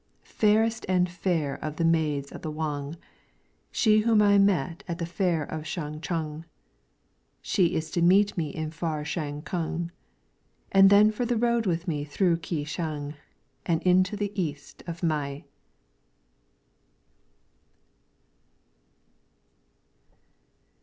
Fairest and fair of the maids of the Wang, She whom I met at the fair of Sang chung, She is to meet me in far Shang kung, And then for the road with me through Ke shang, And into the east of Mei.